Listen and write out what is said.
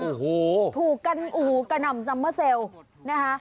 โอ้โหถูกกันโอ้โหกระหน่ำซัมเมอร์เซลล์นะคะ